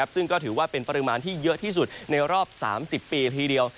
ซึ่งก็ถือว่าเป็นปริมาณที่เยอะที่สุดในรอบ๓๐ปีทีเดียว